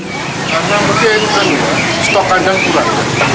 karena berarti itu kan stok kandang pulang